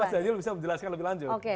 mas daniel bisa menjelaskan lebih lanjut